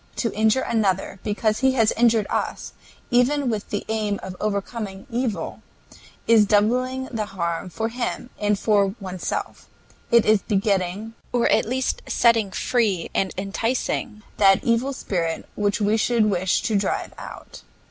To injure another because he has injured us, even with the aim of overcoming evil, is doubling the harm for him and for oneself; it is begetting, or at least setting free and inciting, that evil spirit which we should wish to drive out.